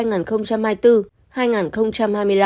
năm hai nghìn hai mươi bốn hai nghìn hai mươi năm